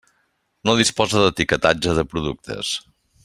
No disposa d'etiquetatge de productes.